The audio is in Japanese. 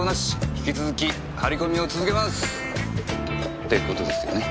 引き続き張り込みを続けます！って事ですよね？